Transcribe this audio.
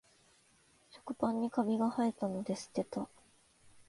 食パンにカビがはえたので捨てた